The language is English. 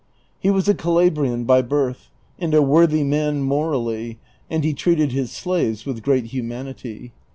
He was a Calabrian by birth, and a worthy man morally, and he treated his slaves with great humanity.